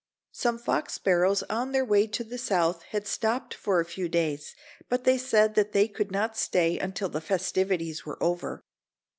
Some fox sparrows on their way to the south had stopped for a few days; but they said that they could not stay until the festivities were over.